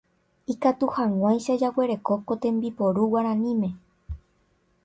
Ikatu hag̃uáicha jaguereko ko tembiporu guaraníme